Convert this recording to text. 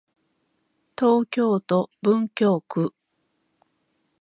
東京都文京区